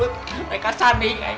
wsekasi ku mongges ya